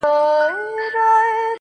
خُمار مي د عمرونو میکدې ته وو راوړی-